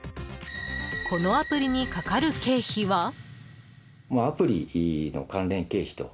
このアプリにかかる経費は？